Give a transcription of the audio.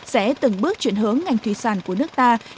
sẽ từng bước chuyển hướng ngành thủy sản của nước ta